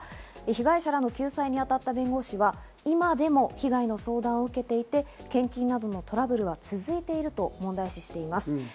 被害者らの救済に当たった弁護士らは今でも被害の相談を受けていて、献金などのトラブルが続いていると問題視しています。